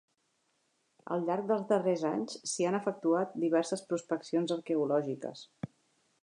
Al llarg dels darrers anys s'hi han efectuat diverses prospeccions arqueològiques.